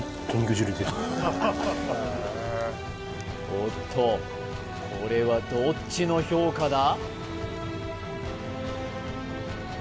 おっとこれはどっちの評価だ？